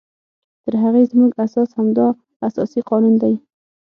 تر هغې زمونږ اساس همدا اساسي قانون دی